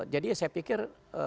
jadi saya pikir